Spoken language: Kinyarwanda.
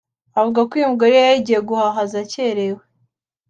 avuga y’ uko umugore yari yagiye agiye guhaha aza akerewe